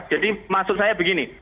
jadi maksud saya begini